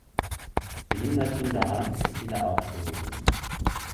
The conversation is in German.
Sie hindert ihn daran, es wieder aufzuheben.